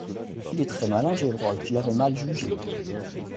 Il est très malin, Gévrol, je l'avais mal jugé.